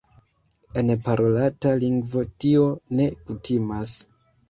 En parolata lingvo tio ne kutimas.